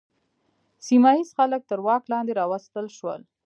سیمه ییز خلک تر واک لاندې راوستل شول.